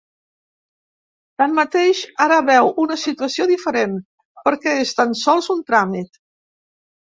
Tanmateix, ara veu una situació diferent, perquè és tan sols un tràmit.